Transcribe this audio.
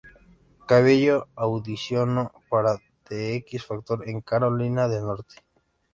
Cabello audicionó para The X Factor en Carolina del Norte.